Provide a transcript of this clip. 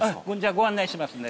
ご案内しますね。